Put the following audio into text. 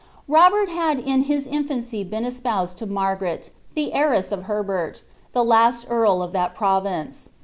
Robert ; in his infancy been espoused to Margaret, the heiress of Herbert, iha carl of that province.